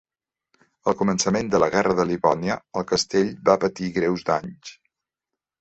Al començament de la Guerra de Livònia, el castell va patir greus danys.